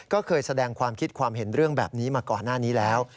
ก็เคยแสดงความคิดความเห็นเรื่องแบบนี้มาก่อนหน้านี้แล้ว